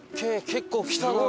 結構来たな。